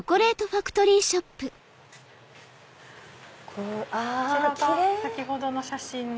こちらが先ほどの写真の。